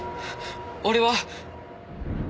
俺は。